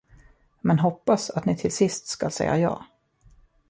Man hoppas, att ni till sist skall säga ja.